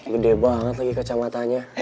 gede banget lagi kacamatanya